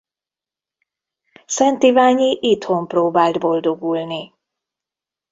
Szentiványi itthon próbált boldogulni.